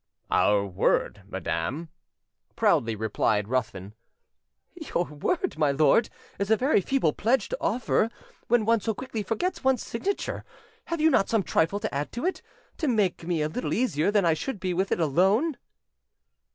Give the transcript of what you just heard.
"Our word, madam," proudly replied Ruthven. "Your word, my lord, is a very feeble pledge to offer, when one so quickly forgets one's signature: have you not some trifle to add to it, to make me a little easier than I should be with it alone?"